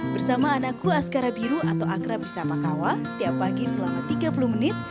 bersama anakku asgara biru atau akra bersama kawa setiap pagi selama tiga puluh menit